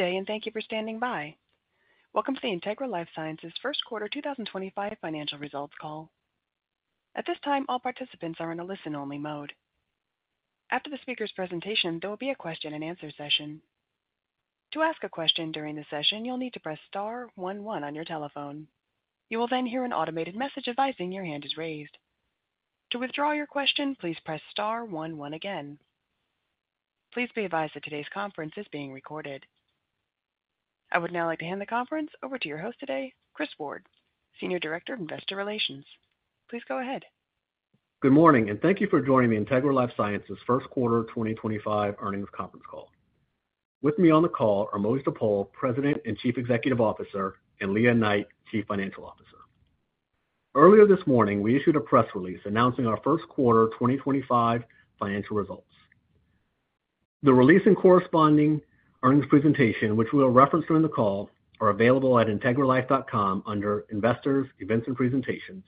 Good day, and thank you for standing by. Welcome to the Integra LifeSciences first quarter 2025 financial results call. At this time, all participants are in a listen-only mode. After the speaker's presentation, there will be a question-and-answer session. To ask a question during the session, you'll need to press Star 11 on your telephone. You will then hear an automated message advising your hand is raised. To withdraw your question, please press Star 11 again. Please be advised that today's conference is being recorded. I would now like to hand the conference over to your host today, Chris Ward, Senior Director of Investor Relations. Please go ahead. Good morning, and thank you for joining the Integra LifeSciences first quarter 2025 earnings conference call. With me on the call are Mojdeh Poul, President and Chief Executive Officer, and Lea Knight, Chief Financial Officer. Earlier this morning, we issued a press release announcing our first quarter 2025 financial results. The release and corresponding earnings presentation, which we will reference during the call, are available at integraLife.com under Investors, Events, and Presentations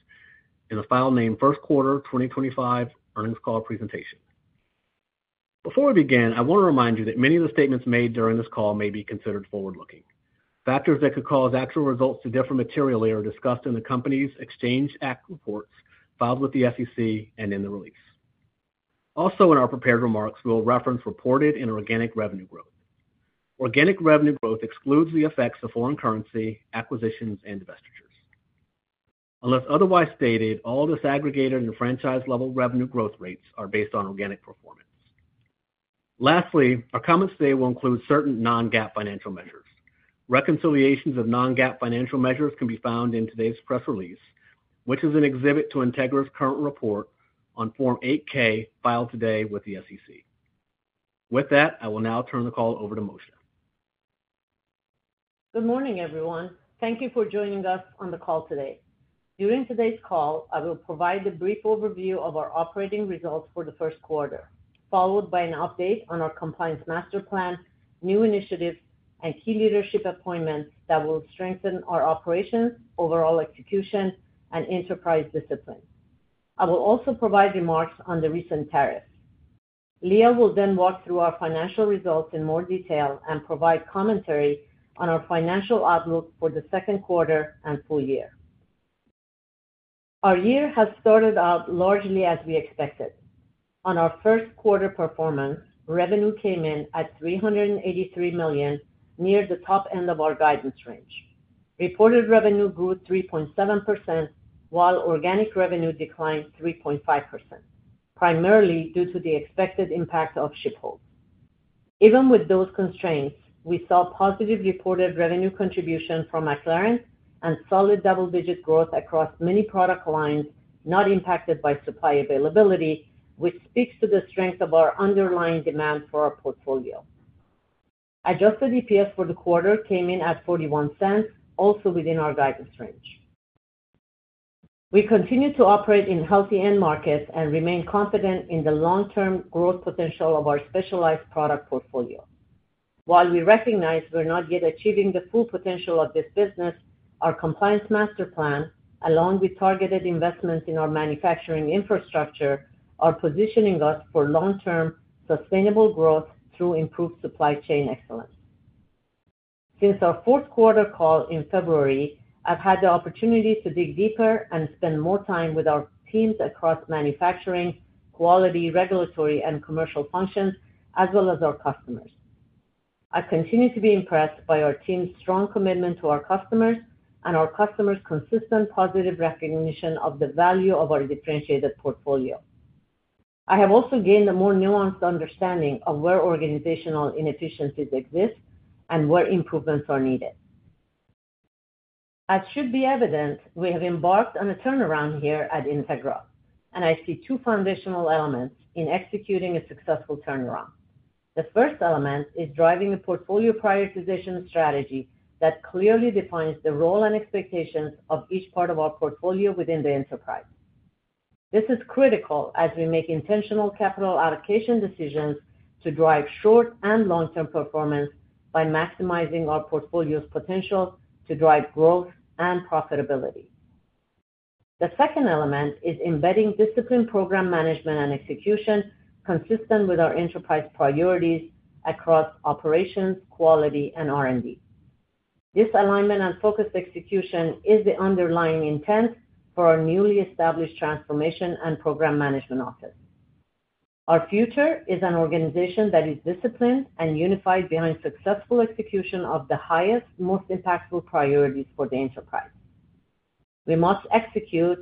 in the file named First Quarter 2025 Earnings Call Presentation. Before we begin, I want to remind you that many of the statements made during this call may be considered forward-looking. Factors that could cause actual results to differ materially are discussed in the company's Exchange Act reports filed with the SEC and in the release. Also, in our prepared remarks, we will reference reported inorganic revenue growth. Organic revenue growth excludes the effects of foreign currency acquisitions and divestitures. Unless otherwise stated, all disaggregated and franchise-level revenue growth rates are based on organic performance. Lastly, our comments today will include certain non-GAAP financial measures. Reconciliations of non-GAAP financial measures can be found in today's press release, which is an exhibit to Integra's current report on Form 8-K filed today with the SEC. With that, I will now turn the call over to Mojdeh. Good morning, everyone. Thank you for joining us on the call today. During today's call, I will provide a brief overview of our operating results for the first quarter, followed by an update on our Compliance Master Plan, new initiatives, and key leadership appointments that will strengthen our operations, overall execution, and enterprise discipline. I will also provide remarks on the recent tariffs. Lea will then walk through our financial results in more detail and provide commentary on our financial outlook for the second quarter and full year. Our year has started out largely as we expected. On our first quarter performance, revenue came in at $383 million, near the top end of our guidance range. Reported revenue grew 3.7%, while organic revenue declined 3.5%, primarily due to the expected impact of ship holds. Even with those constraints, we saw positive reported revenue contribution from Acclarent and solid double-digit growth across many product lines not impacted by supply availability, which speaks to the strength of our underlying demand for our portfolio. Adjusted EPS for the quarter came in at $0.41, also within our guidance range. We continue to operate in healthy end markets and remain confident in the long-term growth potential of our specialized product portfolio. While we recognize we're not yet achieving the full potential of this business, our Compliance Master Plan, along with targeted investments in our manufacturing infrastructure, are positioning us for long-term sustainable growth through improved supply chain excellence. Since our fourth quarter call in February, I've had the opportunity to dig deeper and spend more time with our teams across manufacturing, quality, regulatory, and commercial functions, as well as our customers. I continue to be impressed by our team's strong commitment to our customers and our customers' consistent positive recognition of the value of our differentiated portfolio. I have also gained a more nuanced understanding of where organizational inefficiencies exist and where improvements are needed. As should be evident, we have embarked on a turnaround here at Integra, and I see two foundational elements in executing a successful turnaround. The first element is driving a portfolio prioritization strategy that clearly defines the role and expectations of each part of our portfolio within the enterprise. This is critical as we make intentional capital allocation decisions to drive short and long-term performance by maximizing our portfolio's potential to drive growth and profitability. The second element is embedding discipline program management and execution consistent with our enterprise priorities across operations, quality, and R&D. This alignment and focused execution is the underlying intent for our newly established transformation and program management office. Our future is an organization that is disciplined and unified behind successful execution of the highest, most impactful priorities for the enterprise. We must execute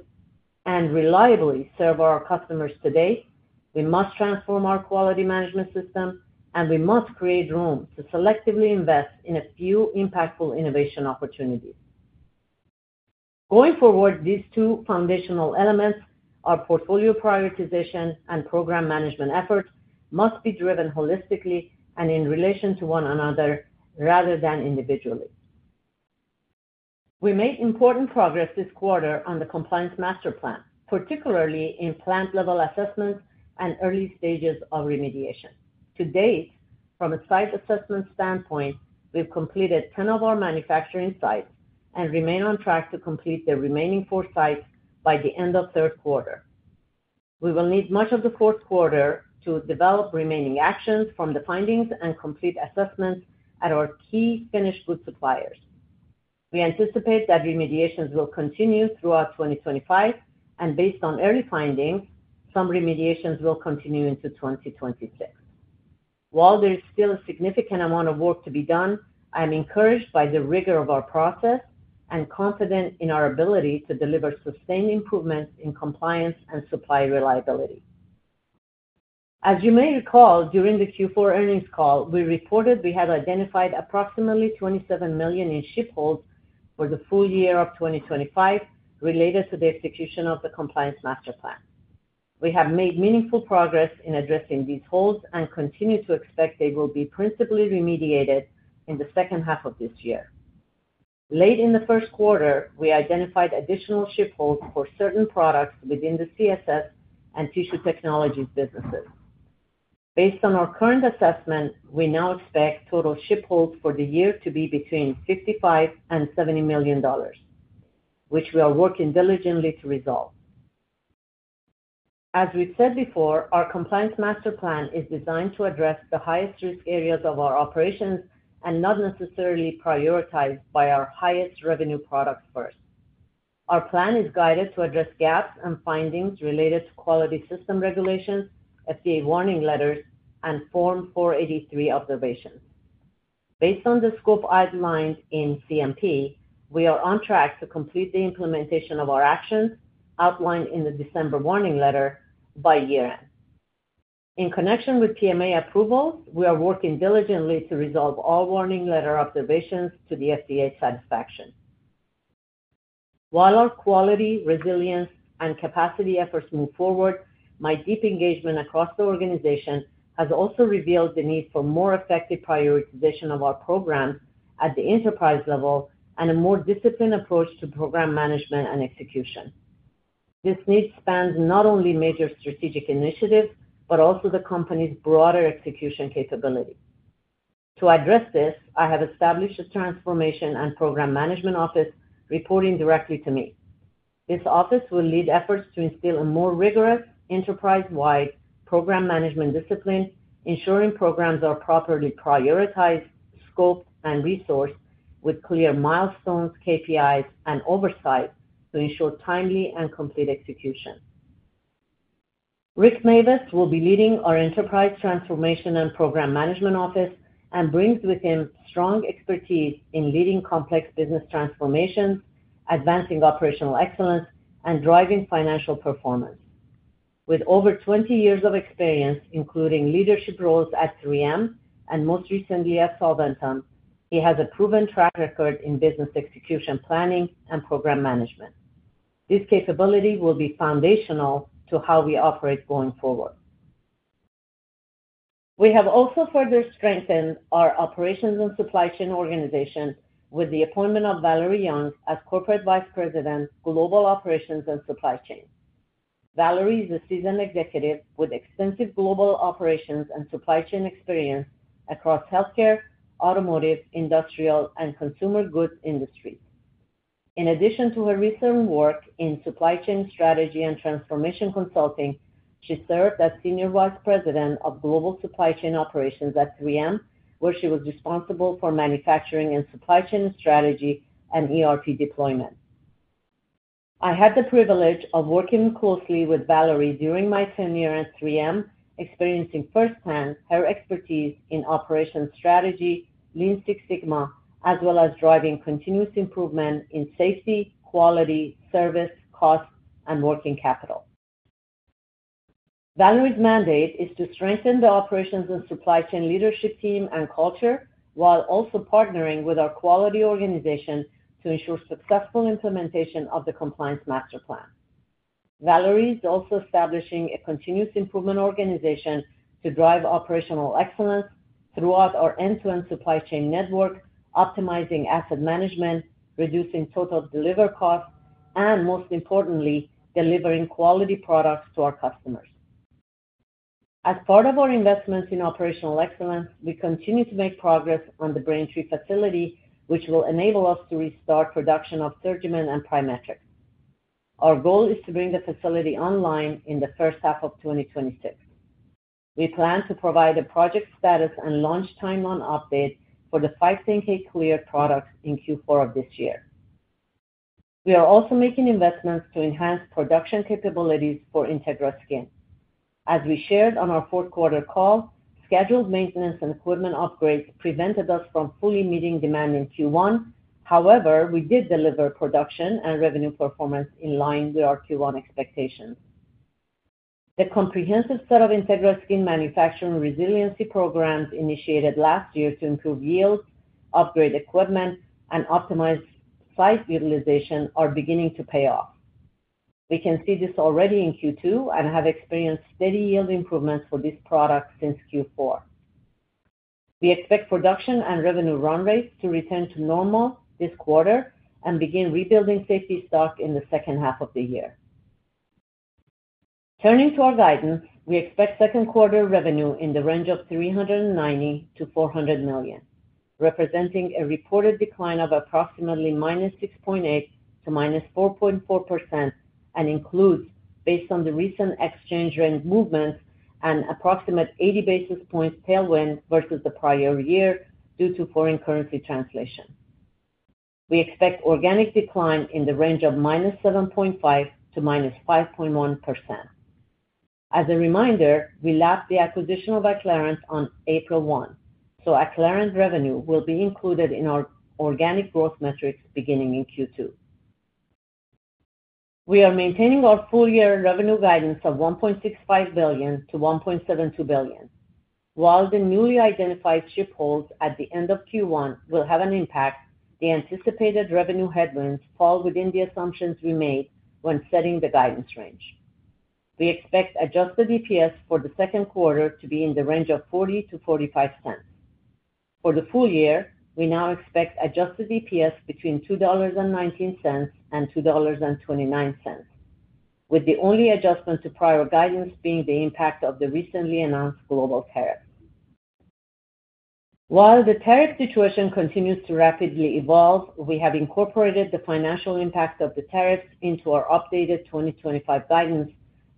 and reliably serve our customers today. We must transform our quality management system, and we must create room to selectively invest in a few impactful innovation opportunities. Going forward, these two foundational elements, our portfolio prioritization and program management efforts, must be driven holistically and in relation to one another rather than individually. We made important progress this quarter on the Compliance Master Plan, particularly in plant-level assessments and early stages of remediation. To date, from a site assessment standpoint, we've completed 10 of our manufacturing sites and remain on track to complete the remaining four sites by the end of third quarter. We will need much of the fourth quarter to develop remaining actions from the findings and complete assessments at our key finished goods suppliers. We anticipate that remediations will continue throughout 2025, and based on early findings, some remediations will continue into 2026. While there is still a significant amount of work to be done, I am encouraged by the rigor of our process and confident in our ability to deliver sustained improvements in compliance and supply reliability. As you may recall, during the Q4 earnings call, we reported we had identified approximately $27 million in ship holds for the full year of 2025 related to the execution of the Compliance Master Plan. We have made meaningful progress in addressing these holds and continue to expect they will be principally remediated in the second half of this year. Late in the first quarter, we identified additional ship holds for certain products within the CSS and Tissue Technologies businesses. Based on our current assessment, we now expect total ship holds for the year to be between $55 million and $70 million, which we are working diligently to resolve. As we've said before, our Compliance Master Plan is designed to address the highest risk areas of our operations and not necessarily prioritize by our highest revenue products first. Our plan is guided to address gaps and findings related to quality system regulations, FDA warning letters, and Form 483 Observations. Based on the scope outlined in the CMP, we are on track to complete the implementation of our actions outlined in the December warning letter by year-end. In connection with PMA approvals, we are working diligently to resolve all warning letter observations to the FDA's satisfaction. While our quality, resilience, and capacity efforts move forward, my deep engagement across the organization has also revealed the need for more effective prioritization of our programs at the enterprise level and a more disciplined approach to program management and execution. This need spans not only major strategic initiatives but also the company's broader execution capability. To address this, I have established a transformation and program management office reporting directly to me. This office will lead efforts to instill a more rigorous enterprise-wide program management discipline, ensuring programs are properly prioritized, scoped, and resourced with clear milestones, KPIs, and oversight to ensure timely and complete execution. Rick Maveus will be leading our enterprise transformation and program management office and brings with him strong expertise in leading complex business transformations, advancing operational excellence, and driving financial performance. With over 20 years of experience, including leadership roles at 3M and most recently at Solventum, he has a proven track record in business execution planning and program management. This capability will be foundational to how we operate going forward. We have also further strengthened our operations and supply chain organization with the appointment of Valerie Young as Corporate Vice President, Global Operations and Supply Chain. Valerie is a seasoned executive with extensive global operations and supply chain experience across healthcare, automotive, industrial, and consumer goods industries. In addition to her recent work in supply chain strategy and transformation consulting, she served as Senior Vice President of Global Supply Chain Operations at 3M, where she was responsible for manufacturing and supply chain strategy and ERP deployment. I had the privilege of working closely with Valerie during my tenure at 3M, experiencing firsthand her expertise in operations strategy, Lean Six Sigma, as well as driving continuous improvement in safety, quality, service, cost, and working capital. Valerie's mandate is to strengthen the operations and supply chain leadership team and culture while also partnering with our quality organization to ensure successful implementation of the Compliance Master Plan. Valerie is also establishing a continuous improvement organization to drive operational excellence throughout our end-to-end supply chain network, optimizing asset management, reducing total delivery costs, and most importantly, delivering quality products to our customers. As part of our investments in operational excellence, we continue to make progress on the Braintree facility, which will enable us to restart production of SurgiMend and PriMatrix. Our goal is to bring the facility online in the first half of 2026. We plan to provide a project status and launch timeline update for the 510(k) cleared products in Q4 of this year. We are also making investments to enhance production capabilities for Integra Skin. As we shared on our fourth quarter call, scheduled maintenance and equipment upgrades prevented us from fully meeting demand in Q1. However, we did deliver production and revenue performance in line with our Q1 expectations. The comprehensive set of Integra Skin manufacturing resiliency programs initiated last year to improve yields, upgrade equipment, and optimize site utilization are beginning to pay off. We can see this already in Q2 and have experienced steady yield improvements for these products since Q4. We expect production and revenue run rates to return to normal this quarter and begin rebuilding safety stock in the second half of the year. Turning to our guidance, we expect second quarter revenue in the range of $390 million-$400 million, representing a reported decline of approximately -6.8% to -4.4% and includes, based on the recent exchange rate movements, an approximate 80 basis point tailwind versus the prior year due to foreign currency translation. We expect organic decline in the range of -7.5% to -5.1%. As a reminder, we lapped the acquisition of Acclarent on April 1, so Acclarent revenue will be included in our organic growth metrics beginning in Q2. We are maintaining our full year revenue guidance of $1.65 billion-$1.72 billion. While the newly identified ship holds at the end of Q1 will have an impact, the anticipated revenue headwinds fall within the assumptions we made when setting the guidance range. We expect adjusted EPS for the second quarter to be in the range of $0.40-$0.45. For the full year, we now expect adjusted EPS between $2.19 and $2.29, with the only adjustment to prior guidance being the impact of the recently announced global tariffs. While the tariff situation continues to rapidly evolve, we have incorporated the financial impact of the tariffs into our updated 2025 guidance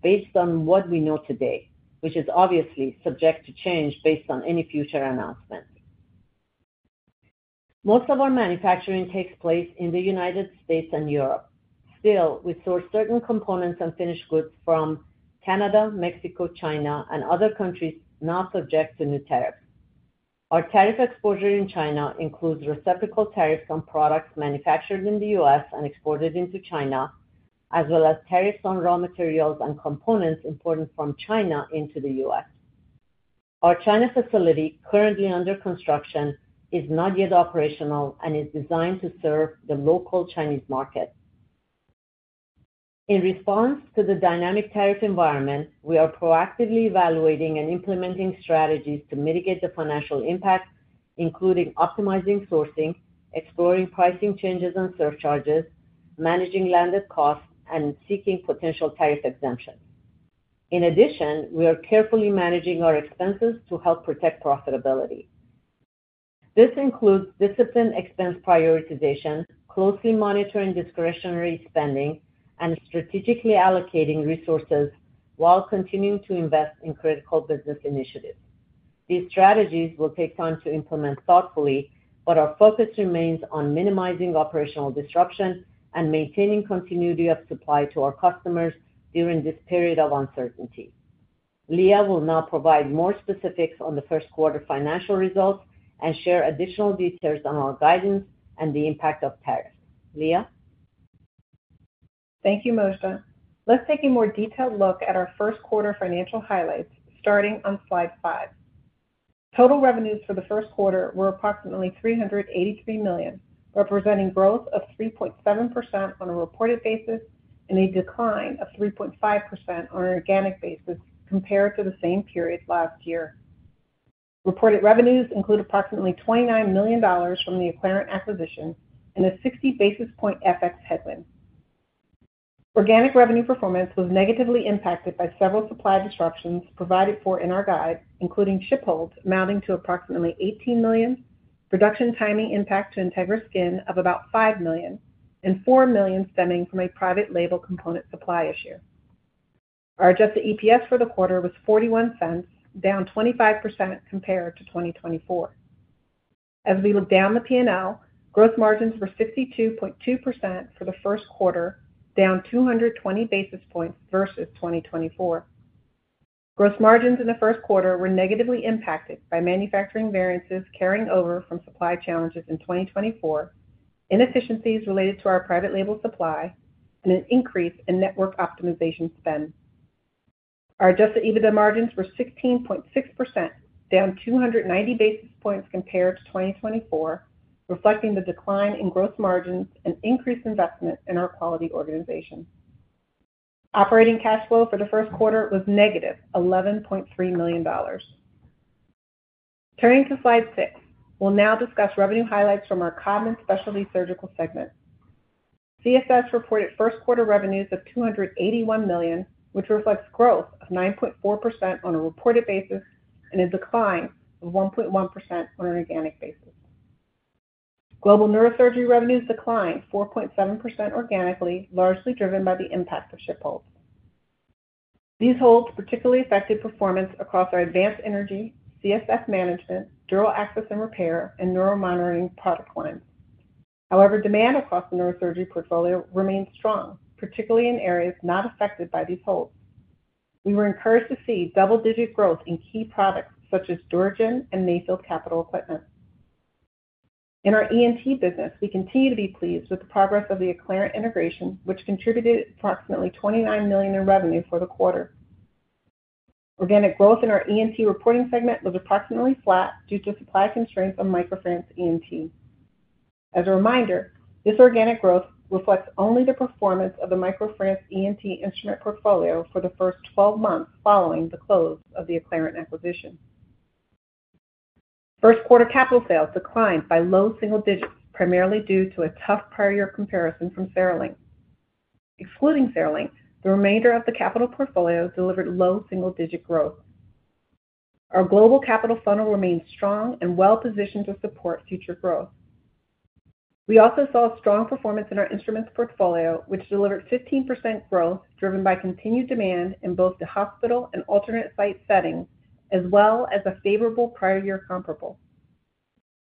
based on what we know today, which is obviously subject to change based on any future announcements. Most of our manufacturing takes place in the United States and Europe. Still, we source certain components and finished goods from Canada, Mexico, China, and other countries not subject to new tariffs. Our tariff exposure in China includes reciprocal tariffs on products manufactured in the U.S. and exported into China, as well as tariffs on raw materials and components imported from China into the U.S. Our China facility, currently under construction, is not yet operational and is designed to serve the local Chinese market. In response to the dynamic tariff environment, we are proactively evaluating and implementing strategies to mitigate the financial impact, including optimizing sourcing, exploring pricing changes and surcharges, managing landed costs, and seeking potential tariff exemptions. In addition, we are carefully managing our expenses to help protect profitability. This includes disciplined expense prioritization, closely monitoring discretionary spending, and strategically allocating resources while continuing to invest in critical business initiatives. These strategies will take time to implement thoughtfully, but our focus remains on minimizing operational disruption and maintaining continuity of supply to our customers during this period of uncertainty. Lea will now provide more specifics on the first quarter financial results and share additional details on our guidance and the impact of tariffs. Lea? Thank you, Mojdeh. Let's take a more detailed look at our first quarter financial highlights starting on slide five. Total revenues for the first quarter were approximately $383 million, representing growth of 3.7% on a reported basis and a decline of 3.5% on an organic basis compared to the same period last year. Reported revenues include approximately $29 million from the Acclarent acquisition and a 60 basis point FX headwind. Organic revenue performance was negatively impacted by several supply disruptions provided for in our guide, including ship holds amounting to approximately $18 million, production timing impact to Integra Skin of about $5 million, and $4 million stemming from a private label component supply issue. Our adjusted EPS for the quarter was $0.41, down 25% compared to 2024. As we look down the P&L, gross margins were 62.2% for the first quarter, down 220 basis points versus 2024. Gross margins in the first quarter were negatively impacted by manufacturing variances carrying over from supply challenges in 2024, inefficiencies related to our private label supply, and an increase in network optimization spend. Our adjusted EBITDA margins were 16.6%, down 290 basis points compared to 2024, reflecting the decline in gross margins and increased investment in our quality organization. Operating cash flow for the first quarter was negative, $11.3 million. Turning to slide six, we will now discuss revenue highlights from our Codman Specialty Surgical segment. CSS reported first quarter revenues of $281 million, which reflects growth of 9.4% on a reported basis and a decline of 1.1% on an organic basis. Global neurosurgery revenues declined 4.7% organically, largely driven by the impact of ship holds. These holds particularly affected performance across our advanced energy, CSF management, dural access and repair, and neuromonitoring product lines. However, demand across the neurosurgery portfolio remained strong, particularly in areas not affected by these holds. We were encouraged to see double-digit growth in key products such as DuraGen and Mayfield capital equipment. In our ENT business, we continue to be pleased with the progress of the Acclarent integration, which contributed approximately $29 million in revenue for the quarter. Organic growth in our ENT reporting segment was approximately flat due to supply constraints on MicroFrance ENT. As a reminder, this organic growth reflects only the performance of the MicroFrance ENT instrument portfolio for the first 12 months following the close of the Acclarent acquisition. First quarter capital sales declined by low single digits, primarily due to a tough prior year comparison from CereLink. Excluding CereLink, the remainder of the capital portfolio delivered low single-digit growth. Our global capital funnel remained strong and well-positioned to support future growth. We also saw strong performance in our instruments portfolio, which delivered 15% growth driven by continued demand in both the hospital and alternate site settings, as well as a favorable prior year comparable.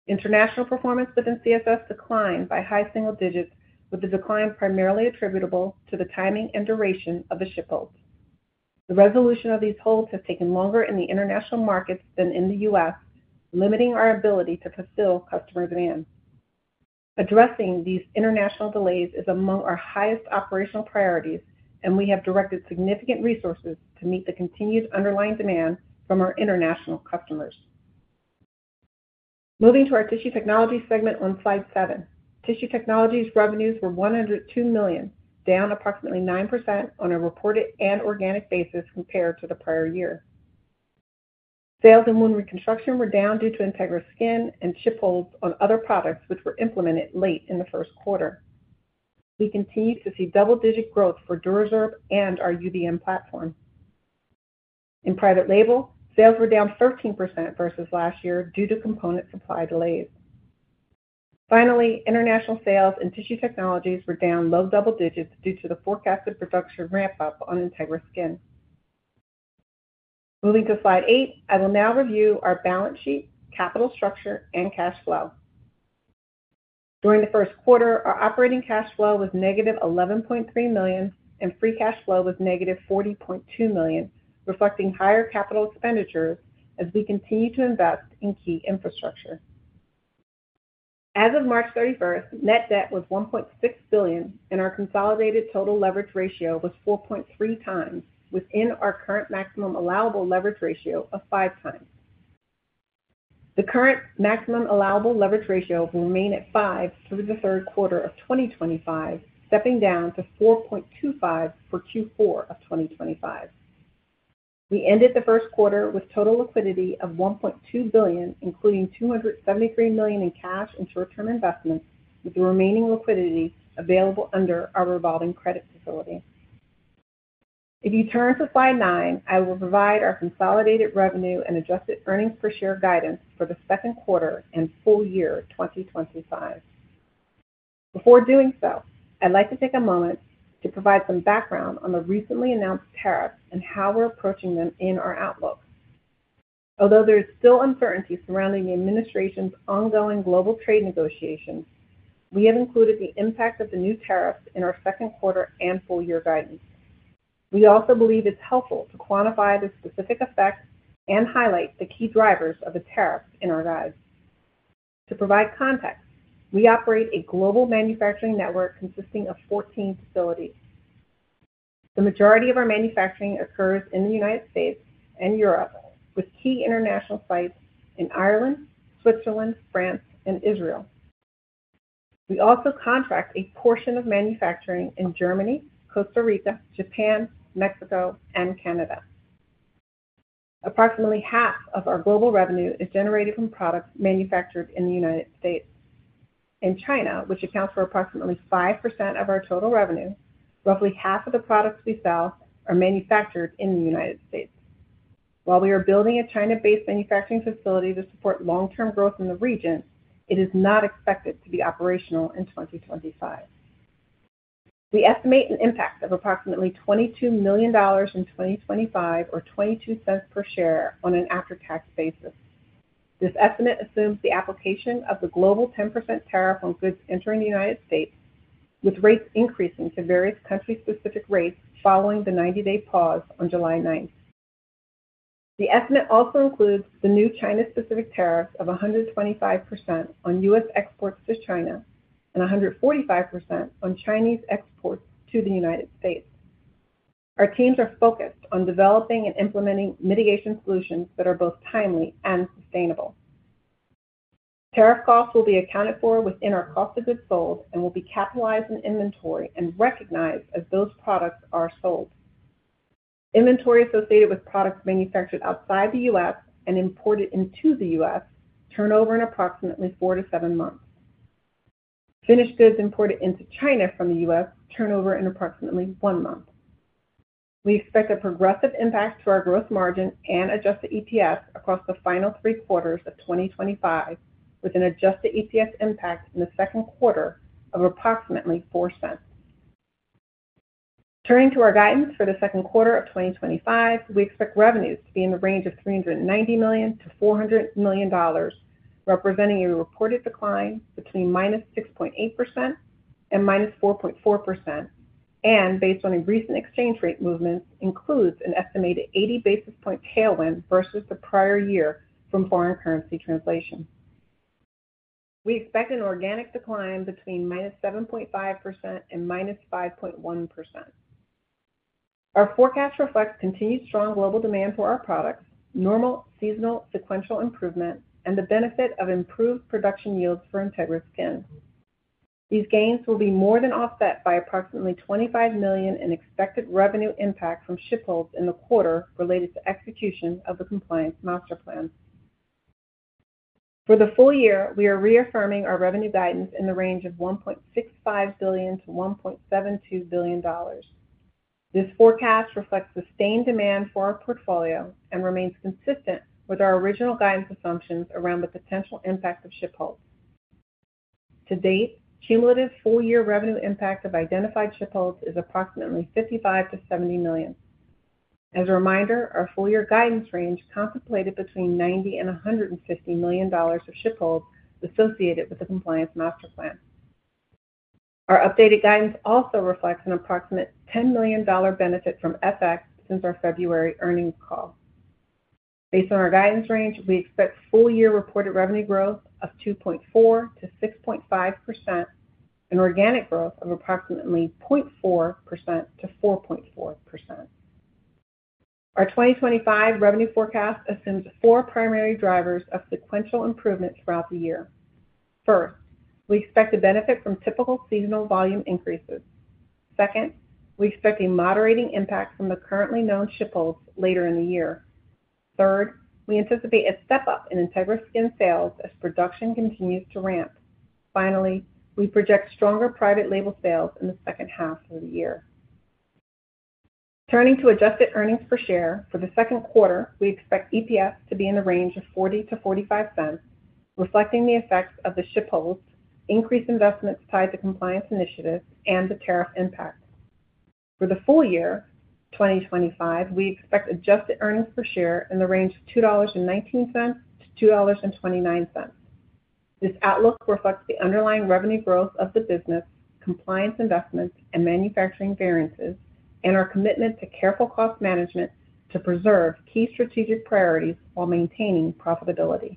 International performance within CSS declined by high single digits, with the decline primarily attributable to the timing and duration of the ship holds. The resolution of these holds has taken longer in the international markets than in the U.S., limiting our ability to fulfill customer demand. Addressing these international delays is among our highest operational priorities, and we have directed significant resources to meet the continued underlying demand from our international customers. Moving to our Tissue Technologies segment on slide seven, Tissue Technologies revenues were $102 million, down approximately 9% on a reported and organic basis compared to the prior year. Sales in wound reconstruction were down due to Integra Skin and ship holds on other products, which were implemented late in the first quarter. We continued to see double-digit growth for DuraSorb and our UBM platform. In private label, sales were down 13% versus last year due to component supply delays. Finally, international sales in tissue technologies were down low double digits due to the forecasted production ramp-up on Integra Skin. Moving to slide eight, I will now review our balance sheet, capital structure, and cash flow. During the first quarter, our operating cash flow was -$11.3 million, and free cash flow was -$40.2 million, reflecting higher capital expenditures as we continue to invest in key infrastructure. As of March 31, net debt was $1.6 billion, and our consolidated total leverage ratio was 4.3 times, within our current maximum allowable leverage ratio of 5 times. The current maximum allowable leverage ratio will remain at five through the third quarter of 2025, stepping down to 4.25 for Q4 of 2025. We ended the first quarter with total liquidity of $1.2 billion, including $273 million in cash and short-term investments, with the remaining liquidity available under our revolving credit facility. If you turn to slide nine, I will provide our consolidated revenue and adjusted earnings per share guidance for the second quarter and full year 2025. Before doing so, I'd like to take a moment to provide some background on the recently announced tariffs and how we're approaching them in our outlook. Although there is still uncertainty surrounding the administration's ongoing global trade negotiations, we have included the impact of the new tariffs in our second quarter and full year guidance. We also believe it's helpful to quantify the specific effects and highlight the key drivers of the tariffs in our guides. To provide context, we operate a global manufacturing network consisting of 14 facilities. The majority of our manufacturing occurs in the United States and Europe, with key international sites in Ireland, Switzerland, France, and Israel. We also contract a portion of manufacturing in Germany, Costa Rica, Japan, Mexico, and Canada. Approximately half of our global revenue is generated from products manufactured in the United States. In China, which accounts for approximately 5% of our total revenue, roughly half of the products we sell are manufactured in the United States. While we are building a China-based manufacturing facility to support long-term growth in the region, it is not expected to be operational in 2025. We estimate an impact of approximately $22 million in 2025, or $0.22 per share on an after-tax basis. This estimate assumes the application of the global 10% tariff on goods entering the United States, with rates increasing to various country-specific rates following the 90-day pause on July 9th. The estimate also includes the new China-specific tariffs of 125% on US exports to China and 145% on Chinese exports to the United States. Our teams are focused on developing and implementing mitigation solutions that are both timely and sustainable. Tariff costs will be accounted for within our cost of goods sold and will be capitalized in inventory and recognized as those products are sold. Inventory associated with products manufactured outside the US and imported into the US turn over in approximately four to seven months. Finished goods imported into China from the US turn over in approximately one month. We expect a progressive impact to our gross margin and adjusted EPS across the final three quarters of 2025, with an adjusted EPS impact in the second quarter of approximately $0.04. Turning to our guidance for the second quarter of 2025, we expect revenues to be in the range of $390 million-$400 million, representing a reported decline between -6.8% and -4.4%, and based on a recent exchange rate movement, includes an estimated 80 basis point tailwind versus the prior year from foreign currency translation. We expect an organic decline between -7.5% and -5.1%. Our forecast reflects continued strong global demand for our products, normal seasonal sequential improvement, and the benefit of improved production yields for Integra Skin. These gains will be more than offset by approximately $25 million in expected revenue impact from ship holds in the quarter related to execution of the Compliance Master Plan. For the full year, we are reaffirming our revenue guidance in the range of $1.65 billion-$1.72 billion. This forecast reflects sustained demand for our portfolio and remains consistent with our original guidance assumptions around the potential impact of ship holds. To date, cumulative full-year revenue impact of identified ship holds is approximately $55-$70 million. As a reminder, our full-year guidance range contemplated between $90 and $150 million of ship holds associated with the Compliance Master Plan. Our updated guidance also reflects an approximate $10 million benefit from FX since our February earnings call. Based on our guidance range, we expect full-year reported revenue growth of 2.4%-6.5% and organic growth of approximately 0.4%-4.4%. Our 2025 revenue forecast assumes four primary drivers of sequential improvement throughout the year. First, we expect a benefit from typical seasonal volume increases. Second, we expect a moderating impact from the currently known ship holds later in the year. Third, we anticipate a step-up in Integra Skin sales as production continues to ramp. Finally, we project stronger private label sales in the second half of the year. Turning to adjusted earnings per share, for the second quarter, we expect EPS to be in the range of $0.40-$0.45, reflecting the effects of the ship holds, increased investments tied to compliance initiatives, and the tariff impact. For the full year 2025, we expect adjusted earnings per share in the range of $2.19-$2.29. This outlook reflects the underlying revenue growth of the business, compliance investments, and manufacturing variances, and our commitment to careful cost management to preserve key strategic priorities while maintaining profitability.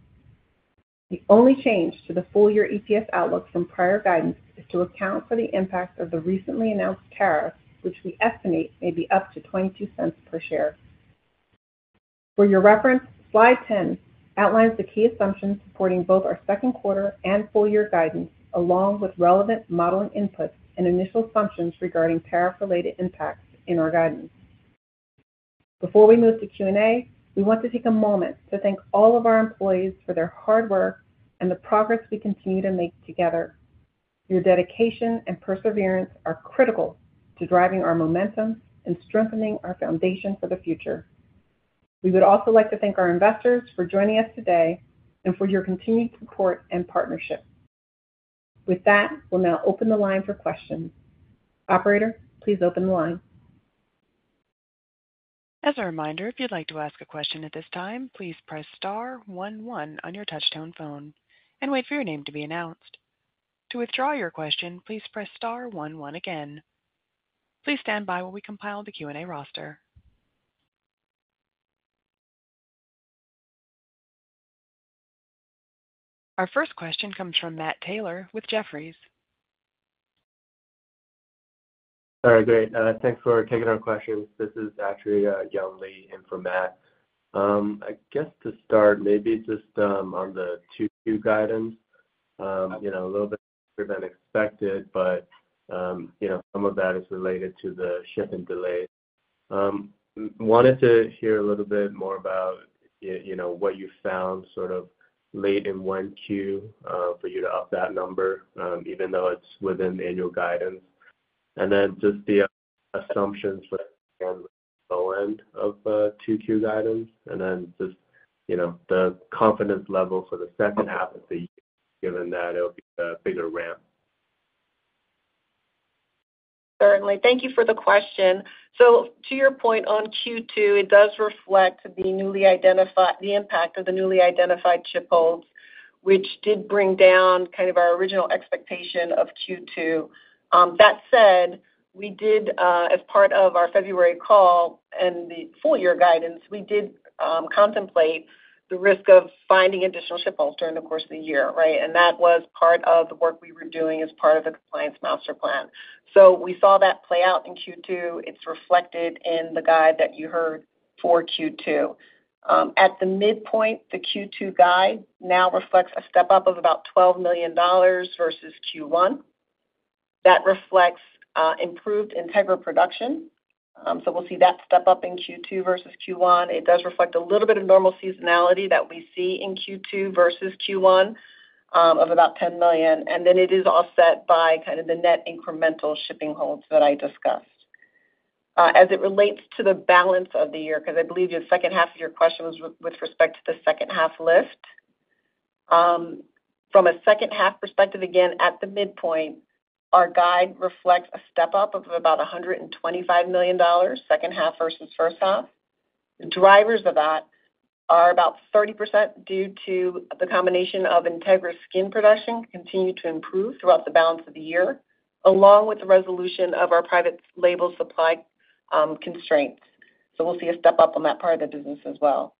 The only change to the full-year EPS outlook from prior guidance is to account for the impact of the recently announced tariffs, which we estimate may be up to $0.22 per share. For your reference, slide 10 outlines the key assumptions supporting both our second quarter and full-year guidance, along with relevant modeling inputs and initial assumptions regarding tariff-related impacts in our guidance. Before we move to Q&A, we want to take a moment to thank all of our employees for their hard work and the progress we continue to make together. Your dedication and perseverance are critical to driving our momentum and strengthening our foundation for the future. We would also like to thank our investors for joining us today and for your continued support and partnership. With that, we'll now open the line for questions. Operator, please open the line. As a reminder, if you'd like to ask a question at this time, please press star 11 on your touchtone phone and wait for your name to be announced. To withdraw your question, please press star 11 again. Please stand by while we compile the Q&A roster. Our first question comes from Matt Taylor with Jefferies. All right, great. Thanks for taking our questions. This is actually Young Li in for Matt. I guess to start, maybe just on the two-year guidance, a little bit better than expected, but some of that is related to the shipping delays. Wanted to hear a little bit more about what you found sort of late in one queue for you to up that number, even though it's within the annual guidance. Just the assumptions for the end of two-year guidance, and just the confidence level for the second half of the year, given that it'll be a bigger ramp. Certainly. Thank you for the question. To your point on Q2, it does reflect the impact of the newly identified ship holds, which did bring down kind of our original expectation of Q2. That said, as part of our February call and the full-year guidance, we did contemplate the risk of finding additional ship holds during the course of the year, right? That was part of the work we were doing as part of the Compliance Master Plan. We saw that play out in Q2. It is reflected in the guide that you heard for Q2. At the midpoint, the Q2 guide now reflects a step-up of about $12 million versus Q1. That reflects improved Integra production. We will see that step-up in Q2 versus Q1. It does reflect a little bit of normal seasonality that we see in Q2 versus Q1 of about $10 million. It is offset by kind of the net incremental shipping holds that I discussed. As it relates to the balance of the year, because I believe your second half of your question was with respect to the second half lift. From a second half perspective, again, at the midpoint, our guide reflects a step-up of about $125 million, second half versus first half. The drivers of that are about 30% due to the combination of Integra Skin production continuing to improve throughout the balance of the year, along with the resolution of our private label supply constraints. We'll see a step-up on that part of the business as well.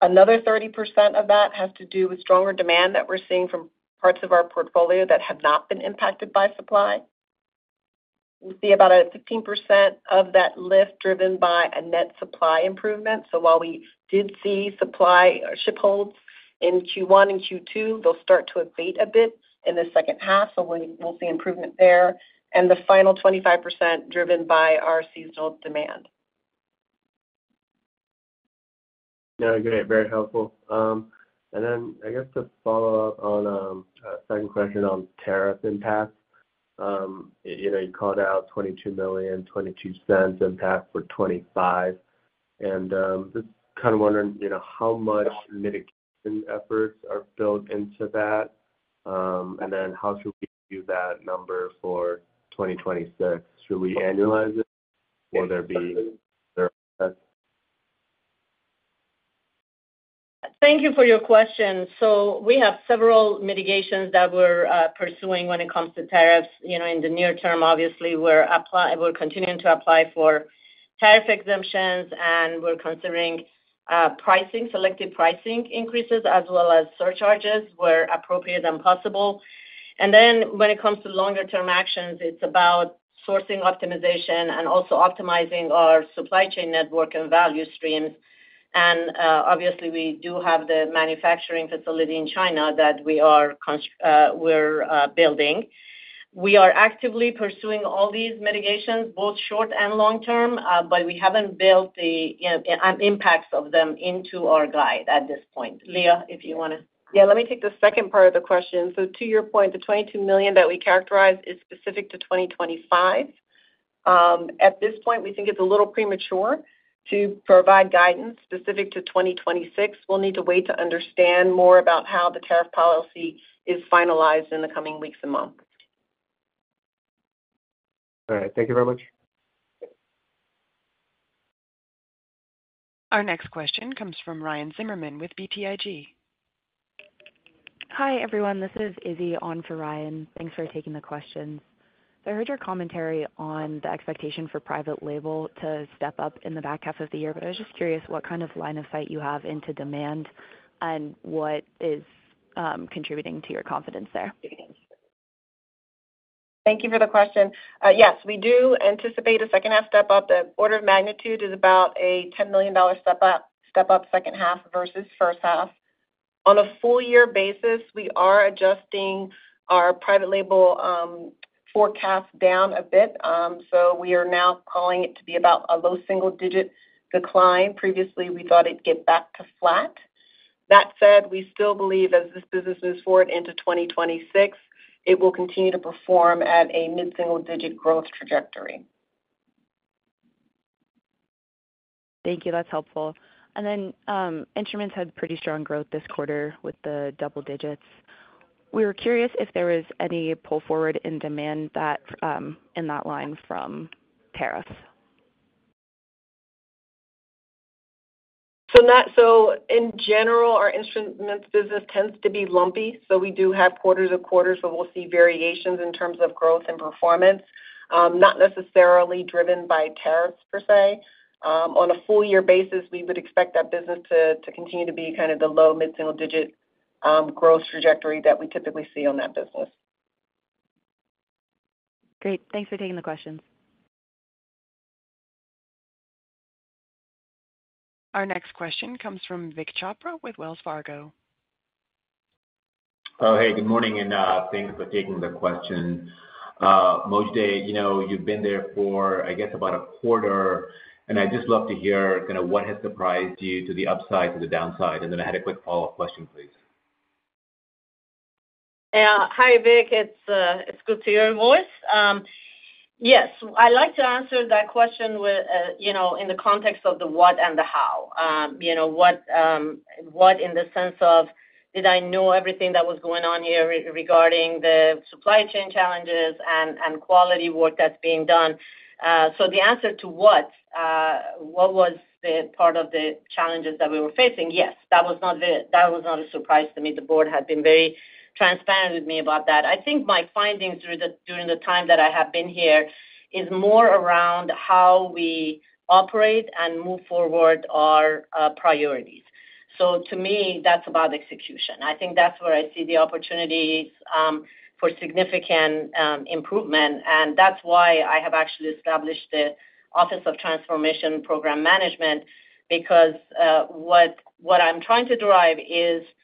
Another 30% of that has to do with stronger demand that we're seeing from parts of our portfolio that have not been impacted by supply. We'll see about 15% of that lift driven by a net supply improvement. While we did see supply ship holds in Q1 and Q2, they'll start to abate a bit in the second half. We'll see improvement there. The final 25% is driven by our seasonal demand. No, great. Very helpful. I guess to follow up on a second question on tariff impact, you called out $22 million, $0.22 impact for 2025. Just kind of wondering how much mitigation efforts are built into that, and then how should we view that number for 2026? Should we annualize it, or will there be? Thank you for your question. We have several mitigations that we're pursuing when it comes to tariffs. In the near term, obviously, we're continuing to apply for tariff exemptions, and we're considering selective pricing increases as well as surcharges where appropriate and possible. When it comes to longer-term actions, it's about sourcing optimization and also optimizing our supply chain network and value streams. Obviously, we do have the manufacturing facility in China that we're building. We are actively pursuing all these mitigations, both short and long term, but we haven't built the impacts of them into our guide at this point. Lea, if you want to. Yeah, let me take the second part of the question. To your point, the $22 million that we characterize is specific to 2025. At this point, we think it's a little premature to provide guidance specific to 2026. We'll need to wait to understand more about how the tariff policy is finalized in the coming weeks and months. All right. Thank you very much. Our next question comes from Ryan Zimmerman with BTIG. Hi everyone. This is Izzy on for Ryan. Thanks for taking the questions. I heard your commentary on the expectation for private label to step up in the back half of the year, but I was just curious what kind of line of sight you have into demand and what is contributing to your confidence there. Thank you for the question. Yes, we do anticipate a second-half step-up. The order of magnitude is about a $10 million step-up second half versus first half. On a full-year basis, we are adjusting our private label forecast down a bit. We are now calling it to be about a low single-digit decline. Previously, we thought it'd get back to flat. That said, we still believe as this business moves forward into 2026, it will continue to perform at a mid-single-digit growth trajectory. Thank you. That's helpful. Instruments had pretty strong growth this quarter with the double digits. We were curious if there was any pull forward in demand in that line from tariffs. In general, our Instruments business tends to be lumpy. We do have quarters of quarters, but we'll see variations in terms of growth and performance, not necessarily driven by tariffs per se. On a full-year basis, we would expect that business to continue to be kind of the low mid-single-digit growth trajectory that we typically see on that business. Great. Thanks for taking the questions. Our next question comes from Vik Chopra with Wells Fargo. Oh, hey, good morning, and thanks for taking the question. Mojdeh, you've been there for, I guess, about a quarter, and I'd just love to hear kind of what has surprised you to the upside or the downside. I had a quick follow-up question, please. Yeah. Hi, Vik. It's good to hear you more. Yes, I'd like to answer that question in the context of the what and the how. What in the sense of, did I know everything that was going on here regarding the supply chain challenges and quality work that's being done? The answer to what was part of the challenges that we were facing, yes, that was not a surprise to me. The board had been very transparent with me about that. I think my findings during the time that I have been here is more around how we operate and move forward our priorities. To me, that's about execution. I think that's where I see the opportunities for significant improvement. That's why I have actually established the Office of Transformation Program Management, because what I'm trying to derive is to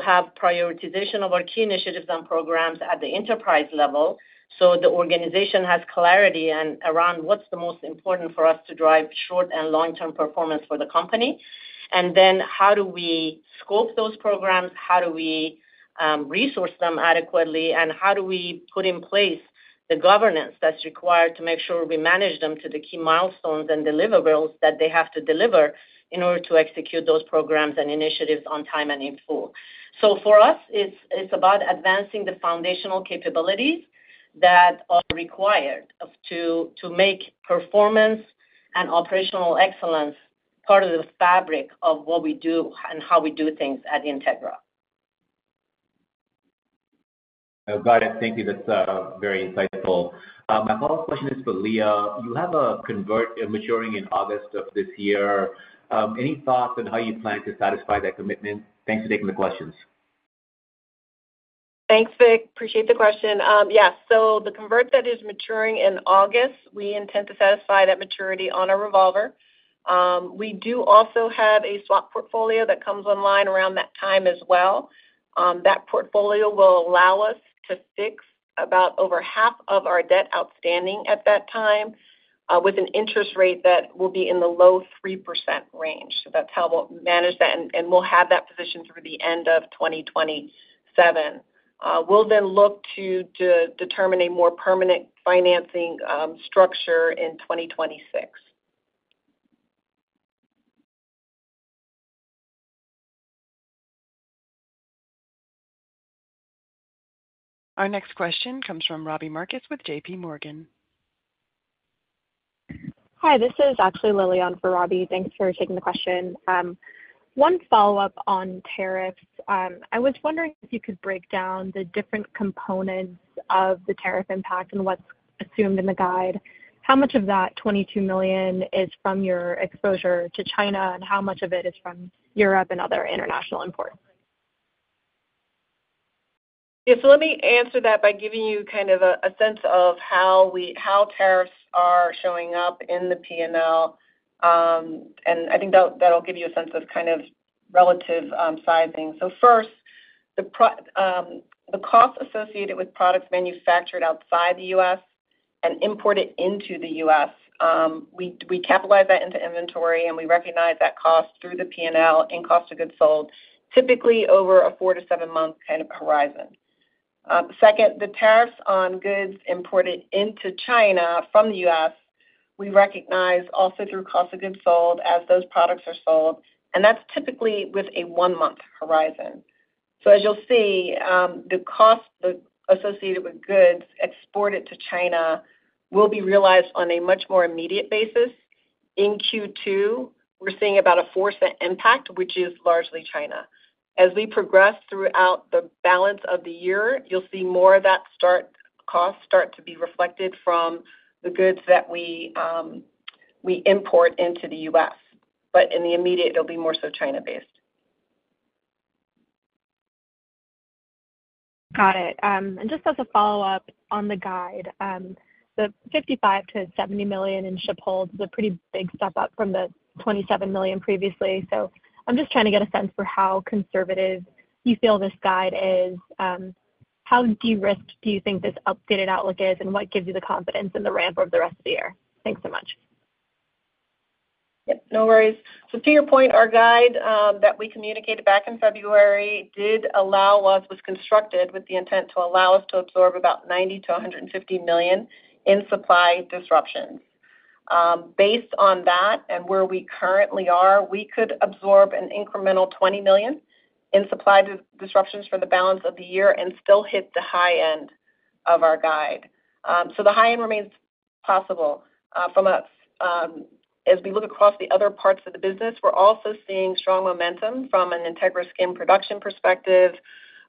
have prioritization of our key initiatives and programs at the enterprise level so the organization has clarity around what's the most important for us to drive short and long-term performance for the company. How do we scope those programs, how do we resource them adequately, and how do we put in place the governance that's required to make sure we manage them to the key milestones and deliverables that they have to deliver in order to execute those programs and initiatives on time and in full. For us, it's about advancing the foundational capabilities that are required to make performance and operational excellence part of the fabric of what we do and how we do things at Integra. Got it. Thank you. That's very insightful. My follow-up question is for Lea. You have a convert maturing in August of this year. Any thoughts on how you plan to satisfy that commitment? Thanks for taking the questions. Thanks, Vik. Appreciate the question. Yes. The convert that is maturing in August, we intend to satisfy that maturity on a revolver. We do also have a swap portfolio that comes online around that time as well. That portfolio will allow us to fix about over half of our debt outstanding at that time with an interest rate that will be in the low 3% range. That is how we will manage that, and we will have that position through the end of 2027. We will then look to determine a more permanent financing structure in 2026. Our next question comes from Robbie Marcus with JP Morgan. Hi, this is actually Lillian for Robbie. Thanks for taking the question. One follow-up on tariffs. I was wondering if you could break down the different components of the tariff impact and what is assumed in the guide. How much of that $22 million is from your exposure to China, and how much of it is from Europe and other international imports? Yeah. Let me answer that by giving you kind of a sense of how tariffs are showing up in the P&L. I think that'll give you a sense of kind of relative sizing. First, the cost associated with products manufactured outside the US and imported into the US, we capitalize that into inventory, and we recognize that cost through the P&L and cost of goods sold, typically over a four- to seven-month kind of horizon. Second, the tariffs on goods imported into China from the US, we recognize also through cost of goods sold as those products are sold, and that's typically with a one-month horizon. As you'll see, the cost associated with goods exported to China will be realized on a much more immediate basis. In Q2, we're seeing about a 4% impact, which is largely China. As we progress throughout the balance of the year, you'll see more of that cost start to be reflected from the goods that we import into the US. In the immediate, it'll be more so China-based. Got it. Just as a follow-up on the guide, the $55-$70 million in ship holds is a pretty big step-up from the $27 million previously. I'm just trying to get a sense for how conservative you feel this guide is. How derisked do you think this updated outlook is, and what gives you the confidence in the ramp over the rest of the year? Thanks so much. Yep. No worries. To your point, our guide that we communicated back in February was constructed with the intent to allow us to absorb about $90-$150 million in supply disruptions. Based on that and where we currently are, we could absorb an incremental $20 million in supply disruptions for the balance of the year and still hit the high end of our guide. The high end remains possible. As we look across the other parts of the business, we're also seeing strong momentum from an Integra Skin production perspective.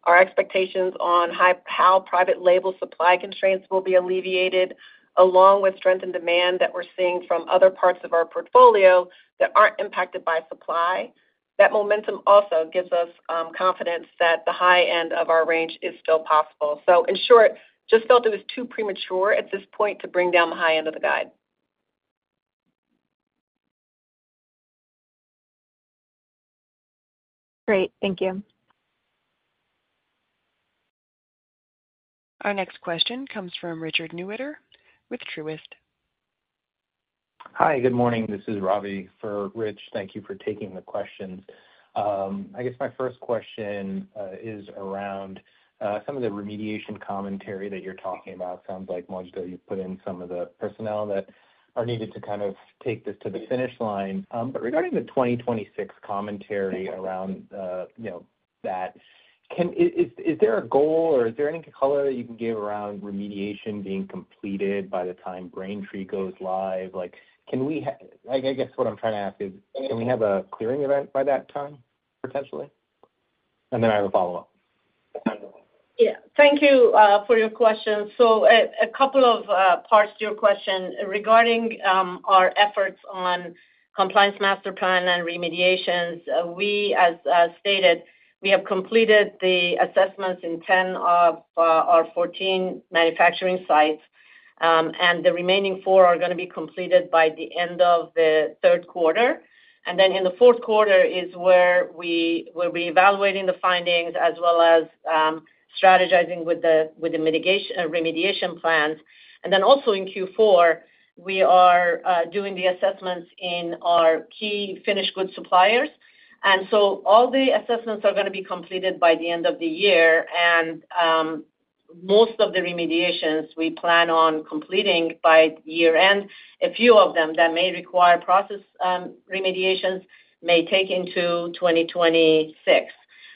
Our expectations on how private label supply constraints will be alleviated, along with strengthened demand that we're seeing from other parts of our portfolio that aren't impacted by supply, that momentum also gives us confidence that the high end of our range is still possible. In short, just felt it was too premature at this point to bring down the high end of the guide. Great. Thank you. Our next question comes from Richard Newitter with Truist. Hi, good morning. This is Robbie for Rich. Thank you for taking the questions. I guess my first question is around some of the remediation commentary that you're talking about. Sounds like, Mojdeh, you've put in some of the personnel that are needed to kind of take this to the finish line. Regarding the 2026 commentary around that, is there a goal or is there any color that you can give around remediation being completed by the time Braintree goes live? I guess what I'm trying to ask is, can we have a clearing event by that time, potentially? I have a follow-up. Yeah. Thank you for your question. A couple of parts to your question. Regarding our efforts on Compliance Master Plan and remediations, as stated, we have completed the assessments in 10 of our 14 manufacturing sites, and the remaining four are going to be completed by the end of the third quarter. In the fourth quarter is where we will be evaluating the findings as well as strategizing with the remediation plans. Also in Q4, we are doing the assessments in our key finished goods suppliers. All the assessments are going to be completed by the end of the year, and most of the remediations we plan on completing by year-end. A few of them that may require process remediations may take into 2026.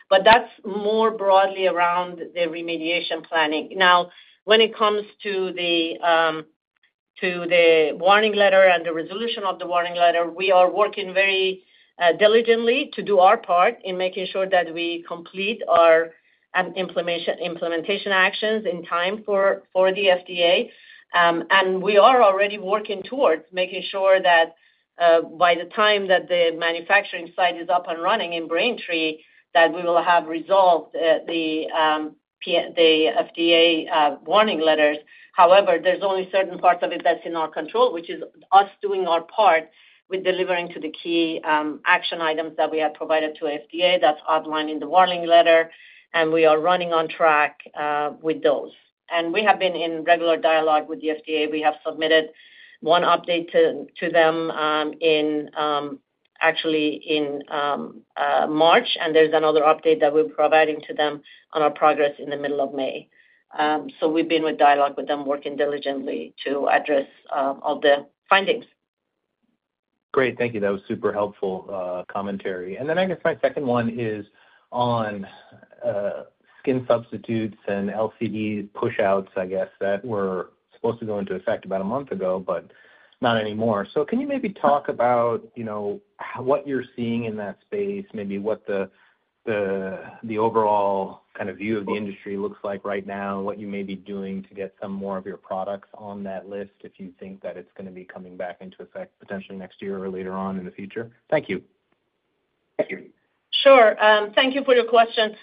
That is more broadly around the remediation planning. Now, when it comes to the warning letter and the resolution of the warning letter, we are working very diligently to do our part in making sure that we complete our implementation actions in time for the FDA. We are already working towards making sure that by the time that the manufacturing site is up and running in Braintree, we will have resolved the FDA warning letters. However, there are only certain parts of it that are in our control, which is us doing our part with delivering to the key action items that we have provided to FDA that are outlined in the warning letter, and we are running on track with those. We have been in regular dialogue with the FDA. We have submitted one update to them actually in March, and there is another update that we are providing to them on our progress in the middle of May. We have been in dialogue with them, working diligently to address all the findings. Great. Thank you. That was super helpful commentary. I guess my second one is on skin substitutes and LCD push-outs, I guess, that were supposed to go into effect about a month ago, but not anymore. Can you maybe talk about what you are seeing in that space, maybe what the overall kind of view of the industry looks like right now, what you may be doing to get some more of your products on that list if you think that it is going to be coming back into effect potentially next year or later on in the future? Thank you. Thank you. Sure. Thank you for your question.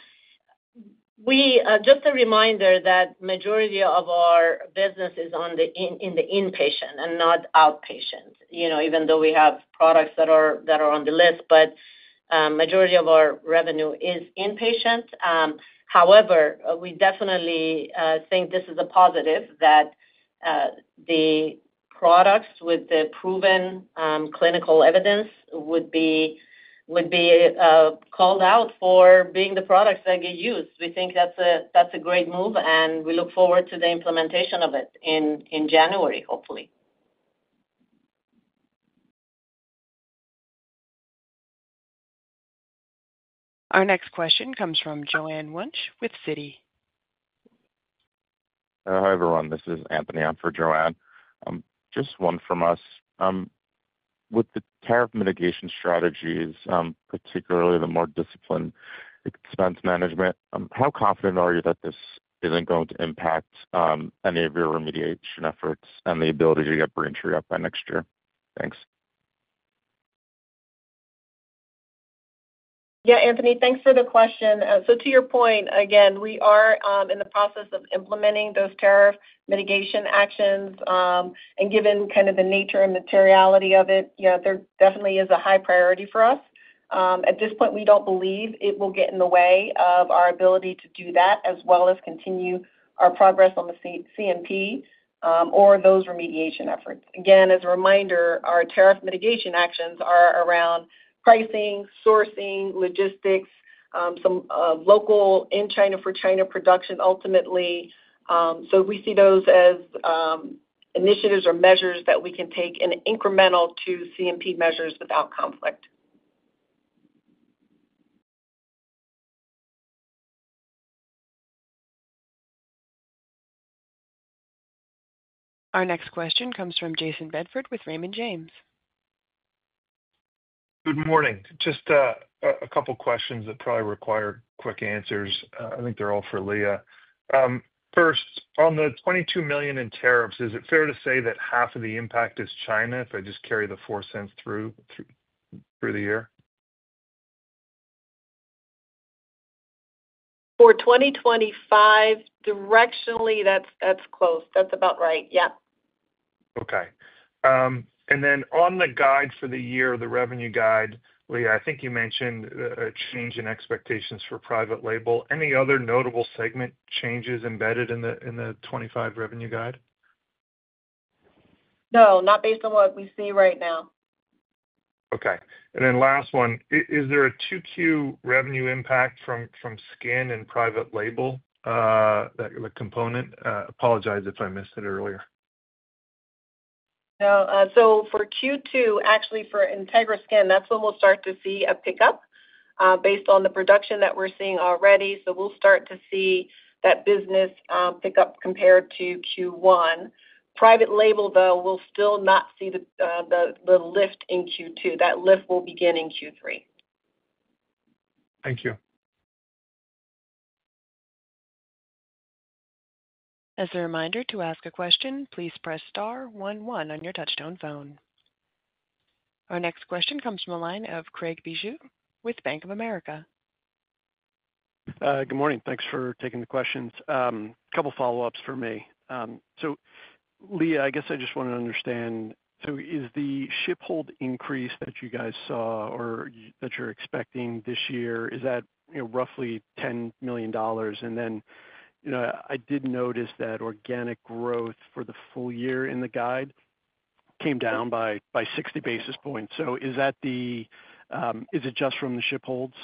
Just a reminder that the majority of our business is in the inpatient and not outpatient, even though we have products that are on the list. But the majority of our revenue is inpatient. However, we definitely think this is a positive that the products with the proven clinical evidence would be called out for being the products that get used. We think that's a great move, and we look forward to the implementation of it in January, hopefully. Our next question comes from Joanne Wuensch with Citi. Hi, everyone. This is Anthony for Joanne. Just one from us. With the tariff mitigation strategies, particularly the more disciplined expense management, how confident are you that this isn't going to impact any of your remediation efforts and the ability to get Braintree up by next year? Thanks. Yeah, Anthony, thanks for the question. To your point, again, we are in the process of implementing those tariff mitigation actions. Given kind of the nature and materiality of it, there definitely is a high priority for us. At this point, we do not believe it will get in the way of our ability to do that as well as continue our progress on the CMP or those remediation efforts. Again, as a reminder, our tariff mitigation actions are around pricing, sourcing, logistics, some local in China for China production ultimately. We see those as initiatives or measures that we can take incremental to CMP measures without conflict. Our next question comes from Jason Bedford with Raymond James. Good morning. Just a couple of questions that probably require quick answers. I think they are all for Lea. First, on the $22 million in tariffs, is it fair to say that half of the impact is China if I just carry the $0.04 cents through the year? For 2025, directionally, that is close. That is about right. Yeah. Okay. On the guide for the year, the revenue guide, Lea, I think you mentioned a change in expectations for private label. Any other notable segment changes embedded in the 2025 revenue guide? No, not based on what we see right now. Okay. Last one, is there a Q2 revenue impact from skin and private label component? Apologize if I missed it earlier. No. For Q2, actually, for Integra Skin, that's when we'll start to see a pickup based on the production that we're seeing already. We'll start to see that business pickup compared to Q1. Private label, though, we'll still not see the lift in Q2. That lift will begin in Q3. Thank you. As a reminder to ask a question, please press star 11 on your Touch-Tone phone. Our next question comes from a line of Craig Bijou with Bank of America. Good morning. Thanks for taking the questions. A couple of follow-ups for me. So Lea, I guess I just want to understand, so is the ship hold increase that you guys saw or that you're expecting this year, is that roughly $10 million? And then I did notice that organic growth for the full year in the guide came down by 60 basis points. So is it just from the ship holds?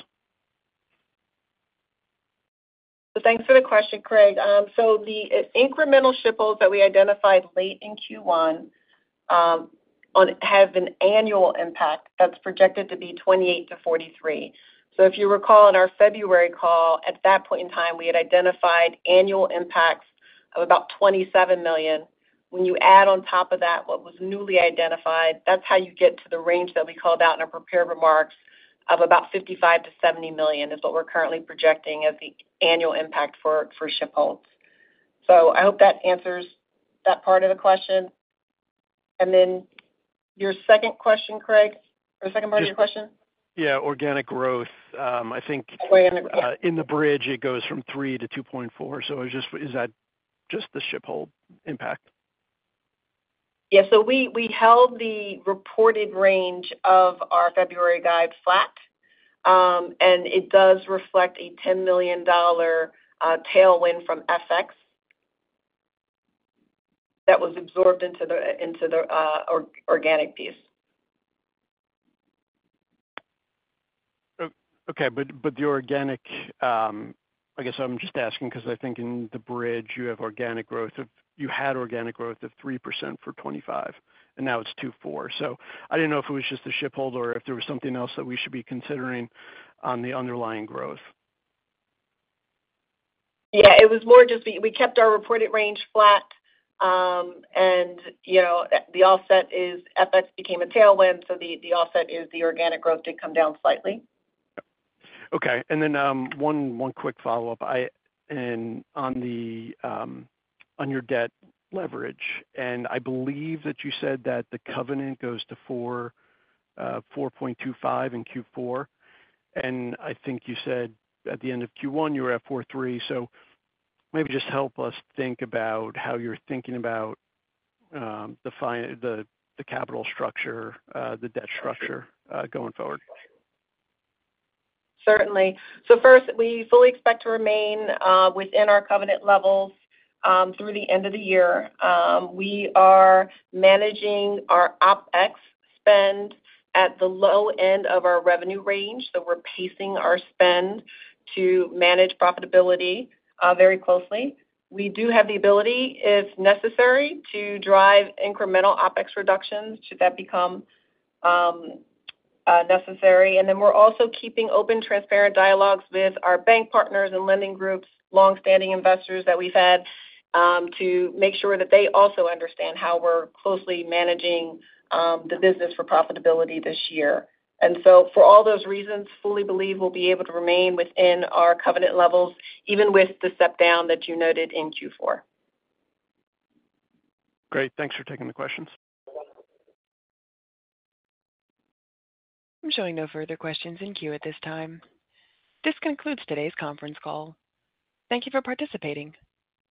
Thanks for the question, Craig. The incremental ship holds that we identified late in Q1 have an annual impact that's projected to be $28 million-$43 million. If you recall in our February call, at that point in time, we had identified annual impacts of about $27 million. When you add on top of that what was newly identified, that's how you get to the range that we called out in our prepared remarks of about $55 million-$70 million is what we're currently projecting as the annual impact for ship holds. I hope that answers that part of the question. Your second question, Craig, or second part of your question? Yeah. Organic growth. I think in the bridge, it goes from 3%-2.4%. Is that just the ship hold impact? Yeah. We held the reported range of our February guide flat, and it does reflect a $10 million tailwind from FX that was absorbed into the organic piece. Okay. The organic, I guess I'm just asking because I think in the bridge, you had organic growth of 3% for 2025, and now it's 2.4%. I did not know if it was just the ship hold or if there was something else that we should be considering on the underlying growth. Yeah. It was more just we kept our reported range flat, and the offset is FX became a tailwind, so the offset is the organic growth did come down slightly. Okay. One quick follow-up on your debt leverage. I believe that you said that the covenant goes to 4.25 in Q4. I think you said at the end of Q1, you were at 4.3. Maybe just help us think about how you are thinking about the capital structure, the debt structure going forward. Certainly. First, we fully expect to remain within our covenant levels through the end of the year. We are managing our OpEx spend at the low end of our revenue range. We're pacing our spend to manage profitability very closely. We do have the ability, if necessary, to drive incremental OpEx reductions should that become necessary. We are also keeping open, transparent dialogues with our bank partners and lending groups, long-standing investors that we've had, to make sure that they also understand how we're closely managing the business for profitability this year. For all those reasons, fully believe we'll be able to remain within our covenant levels, even with the step down that you noted in Q4. Great. Thanks for taking the questions. I'm showing no further questions in queue at this time. This concludes today's conference call. Thank you for participating.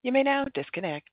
You may now disconnect.